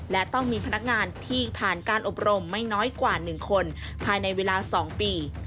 และต้องมีพนักงานที่ผ่านการอบรมไม่น้อยกว่า๑คนภายในเวลา๒ปี